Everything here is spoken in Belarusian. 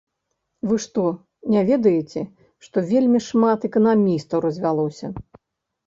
Вы што, не ведаеце, што вельмі шмат эканамістаў развялося?